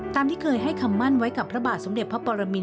ที่เคยให้คำมั่นไว้กับพระบาทสมเด็จพระปรมิน